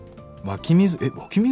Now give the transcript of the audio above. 湧き水？